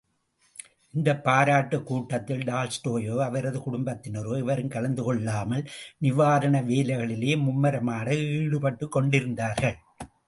இந்தப் பாராட்டுக் கூட்டத்தில் டால்ஸ்டாயோ அவரது குடும்பத்தினரோ எவரும் கலந்து கொள்ளாமல், நிவாரண வேலைகளிலேயே மும்முரமாக ஈடுபட்டுக் கொண்டிருந்தார்கள்.